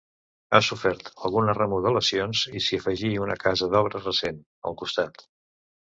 Ha sofert algunes remodelacions i s'hi afegí una casa, d'obra recent, al costat.